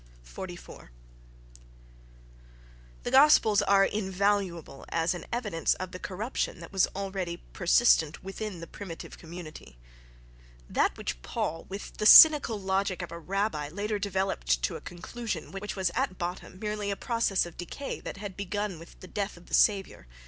44. —The gospels are invaluable as evidence of the corruption that was already persistent within the primitive community. That which Paul, with the cynical logic of a rabbi, later developed to a conclusion was at bottom merely a process of decay that had begun with the death of the Saviour.